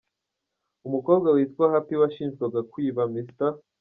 Umukobwa witwa Happy washinjwaga kwiba Mr.